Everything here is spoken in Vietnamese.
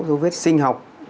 dấu vết sinh học